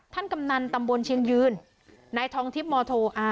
กำนันตำบลเชียงยืนนายทองทิพย์มโทอ่า